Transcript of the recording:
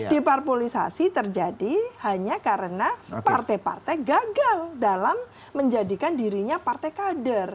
deparpolisasi terjadi hanya karena partai partai gagal dalam menjadikan dirinya partai kader